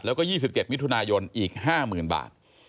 แล้วก็๒๗มิถุนายนอีก๕๐๐๐บาท